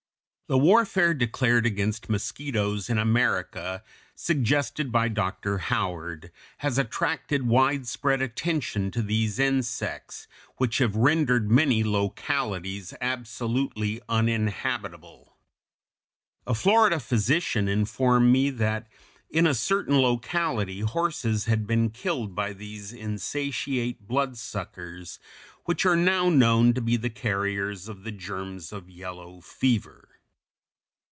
The warfare declared against mosquitoes in America, suggested by Dr. Howard, has attracted widespread attention to these insects, which have rendered many localities absolutely uninhabitable. A Florida physician informed me that in a certain locality horses had been killed by these insatiate bloodsuckers, which are now known to be the carriers of the germs of yellow fever.